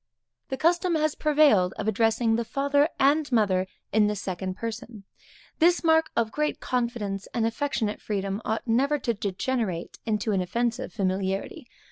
The custom has prevailed of addressing the father and mother in the second person. This mark of great confidence, and affectionate freedom, ought never to degenerate into an offensive familiarity.